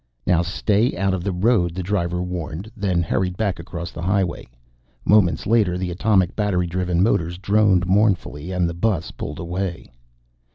"Now stay out of the road," the driver warned, then hurried back across the highway. Moments later, the atomic battery driven motors droned mournfully, and the bus pulled away.